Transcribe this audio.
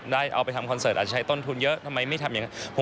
เอาไปทำคอนเสิร์ตอาจใช้ต้นทุนเยอะทำไมไม่ทำอย่างนั้น